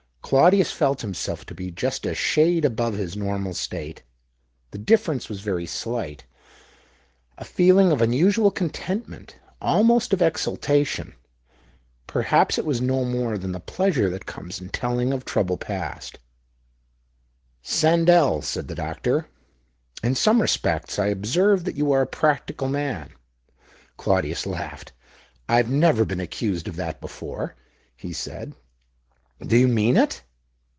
Claudius felt himself to be just a hade above his normal state. The difference vas very slight — a feeling of unusual content nent, almost of exaltation. Perhaps it was lo more than the pleasure that comes in idling of trouble past. " Sandell," said the doctor, " in some espects I observe that you are a practical nan." Claudius laughed. " I've never been accused )f that before," he said. " Do you mean it